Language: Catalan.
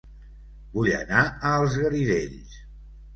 Vull anar a Els Garidells